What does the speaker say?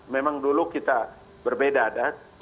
memang dulu kita berbeda dah